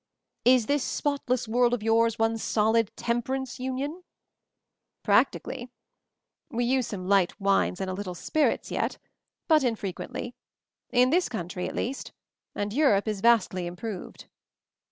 "Is this spotless world of yours one solid temperance union?" "Practically. We use some light wines and a little spirits yet, but infrequently — in this country, at least, and Europe is vastly improved.